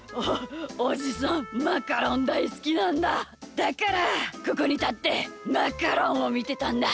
だからここにたってマカロンをみてたんだ。